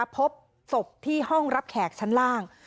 พบศพที่ห้องรับแขกชั้นล่าง